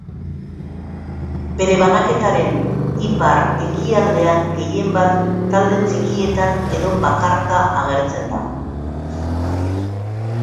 Bere banaketaren ipar-ekialdean gehienbat talde txikietan edo bakarka agertzen da.